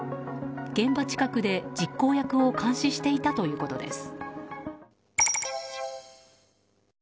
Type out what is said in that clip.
現場近くで実行役を監視していたということです。